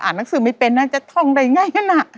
หนังสือไม่เป็นน่าจะท่องได้ง่าย